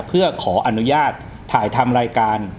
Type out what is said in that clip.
เพื่อขออนุญาตถ่ายทำรายการ